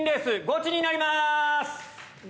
ゴチになります！